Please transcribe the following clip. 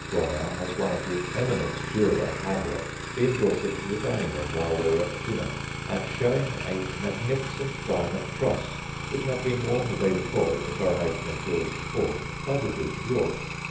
Gronow has one of the eminent jeweller, Hamlet, being brought into the dining room while they were at dinner, and showing a magnificent diamond cross, which had been worn the day before at the coronation of George iv. by the Duke of York.